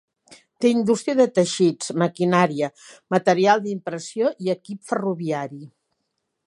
Té indústria de teixits, maquinària, material d'impressió i equip ferroviari.